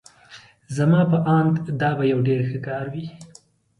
زما په آند دا به یو ډېر ښه کار وي.